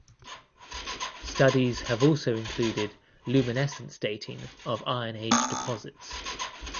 Studies have also included luminescence dating of Iron Age deposits.